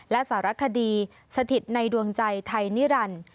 และสารคดีสถิตในดวงใจไทยนิรันดิ์